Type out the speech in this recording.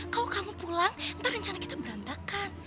kalo kamu pulang ntar rencana kita berantakan